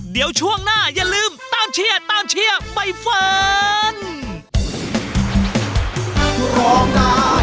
เดี๋ยวช่วงหน้าอย่าลืมตามเชียร์ใบเฟิร์น